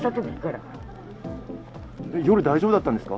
夜、大丈夫だったんですか。